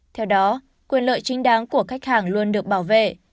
theo đó quyền lợi chính đáng của khách hàng luôn được bảo vệ